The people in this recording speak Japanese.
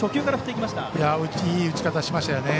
いい打ち方しましたね。